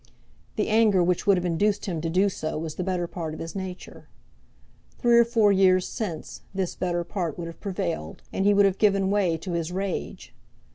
The anger which would have induced him to do so was the better part of his nature. Three or four years since, this better part would have prevailed, and he would have given way to his rage.